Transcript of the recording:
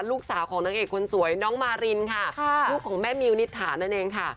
ลูกสาวของนางเอกคนสวยน้องมารินค่ะลูกของแม่มิวนิษฐานั่นเองค่ะ